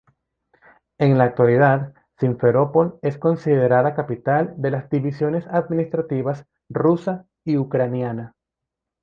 En la actualidad, Simferópol es considerada capital de las divisiones administrativas rusa y ucraniana.